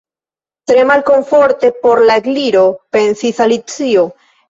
"Tre malkomforte por la Gliro," pensis Alicio.